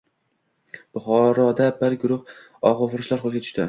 Buxoroda bir guruh og‘ufurushlar qo‘lga tushdi